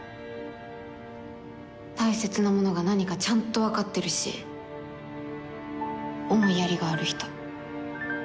大切なものが何かちゃんと分かってるし思いやりがある人。